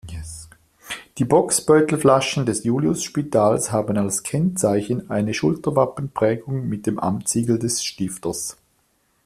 Die Bocksbeutel-Flaschen des Juliusspitals haben als Kennzeichen eine Schulterwappen-Prägung mit dem Amtssiegel des Stifters.